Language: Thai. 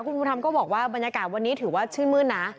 คุณภูมิธรรมก็บอกว่าบรรยากาศวันนี้ถือว่าชื่นมื้นนะ